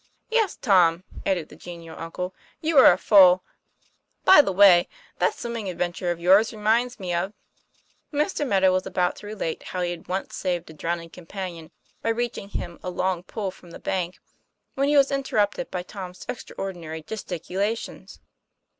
'Yes, Tom," added the genial uncle, "you were a fool. By the way, that swimming adventure of yours reminds me of " Mr. Meadow was about to relate how he had once saved a drowning companion by reaching him a long pole from the bank, when he was interrupt by Tom's extraordinary gesticulations.